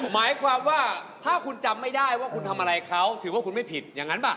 หมายความว่าถ้าคุณจำไม่ได้ว่าคุณทำอะไรเขาถือว่าคุณไม่ผิดอย่างนั้นป่ะ